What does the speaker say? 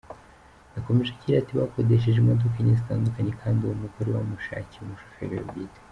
Yakomeje agira ati "Bakodesheje imodoka enye zitandukanye kandi uwo mugore bamushakiye umushoferi we bwite.